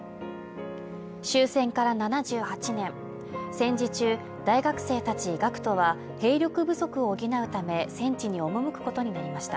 終戦から７８年戦時中大学生たちが苦闘は兵力不足を補うため戦地に赴くことになりました